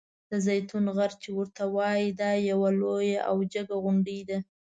د زیتون غر چې ورته وایي دا یوه لویه او جګه غونډۍ ده.